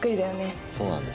そうなんですね。